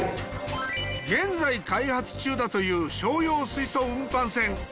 現在開発中だという商用水素運搬船。